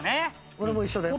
俺も一緒だよ。